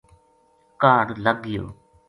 کاہڈ لگ گیو